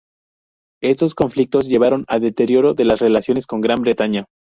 Estos conflictos llevaron al deterioro de las relaciones con Gran Bretaña.